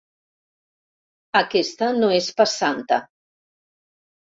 Aquesta no és pas santa.